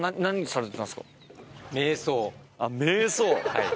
はい。